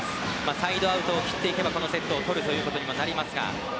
サイドアウトを切っていけばこのセットを取るということになっていきますが。